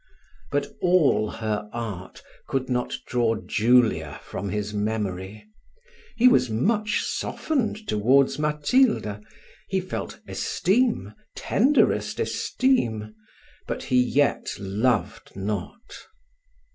But all her art could not draw Julia from his memory: he was much softened towards Matilda; he felt esteem, tenderest esteem but he yet loved not.